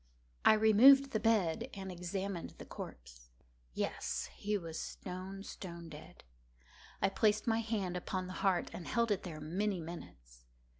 I removed the bed and examined the corpse. Yes, he was stone, stone dead. I placed my hand upon the heart and held it there many minutes.